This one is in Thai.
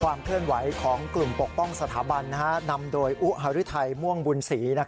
ความเคลื่อนไหวของกลุ่มปกป้องสถาบันนำโดยอุฮารุทัยม่วงบุญศรี